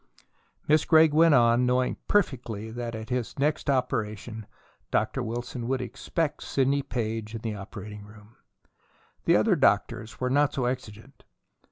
Miss Gregg went on, knowing perfectly that at his next operation Dr. Wilson would expect Sidney Page in the operating room. The other doctors were not so exigent.